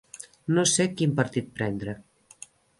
No sé quin partit prendre.